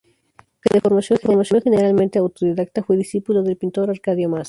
Aunque de formación generalmente autodidacta, fue discípulo del pintor Arcadio Mas.